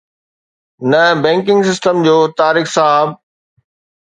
نه، banking system جو طارق صاحب